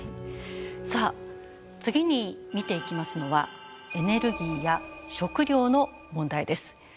さあ次に見ていきますのはエネルギーや食料の問題です。